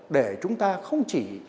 để chúng ta không chỉ